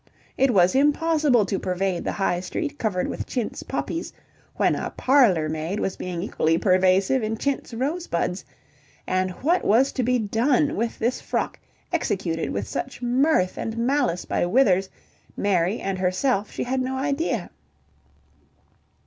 It was impossible to pervade the High Street covered with chintz poppies when a parlourmaid was being equally pervasive in chintz rosebuds, and what was to be done with this frock executed with such mirth and malice by Withers, Mary and herself she had no idea.